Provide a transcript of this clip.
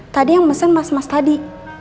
tadi yang pesen mas mas tadi